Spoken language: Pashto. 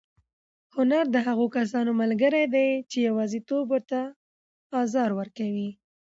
هنر د هغو کسانو ملګری دی چې یوازېتوب ورته ازار ورکوي.